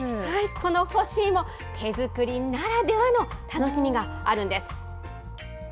この干し芋、手作りならではの楽しみがあるんです。